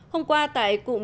hôm qua tại cụm công